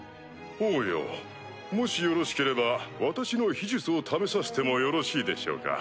王よもしよろしければ私の秘術を試させてもよろしいでしょうか？